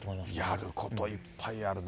やることいっぱいあるな。